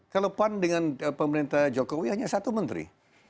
kehidupan dengan pemerintah jokowi hanya satu menteri